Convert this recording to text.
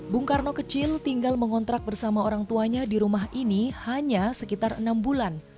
bung karno kecil tinggal mengontrak bersama orang tuanya di rumah ini hanya sekitar enam bulan